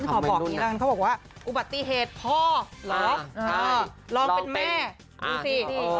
ขอบอกอย่างนี้แล้วกันเขาบอกว่าอุบัติเหตุพ่อเหรอลองเป็นแม่ดูสิ